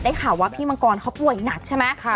ได้ข่าวว่าพี่ธวงกรเขาป่วยหนักใช่มะ